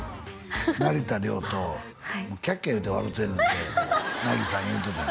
成田凌とキャッキャ言うて笑うてんねんて梛さん言うてたよ